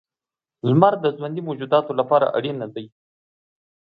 • لمر د ژوندي موجوداتو لپاره اړینه دی.